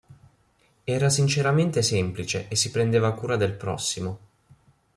Era sinceramente semplice e si prendeva cura del prossimo".